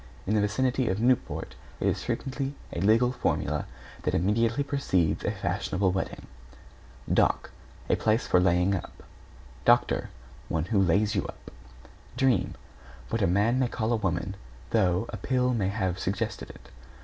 In the vicinity of Newport it is frequently a legal formula that immediately precedes a fashionable wedding. =DOCK= A place for laying up. =DOCTOR= One who lays you up. =DREAM= What a man may call a woman, though a Pill may have suggested it.